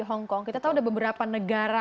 hongkong kita tahu ada beberapa negara